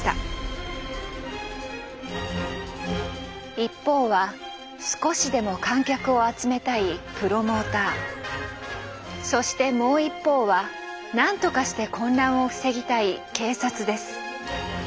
一方は少しでも観客を集めたいそしてもう一方はなんとかして混乱を防ぎたい警察です。